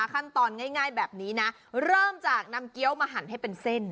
ขั้นตอนง่ายแบบนี้นะเริ่มจากนำเกี้ยวมาหั่นให้เป็นเส้น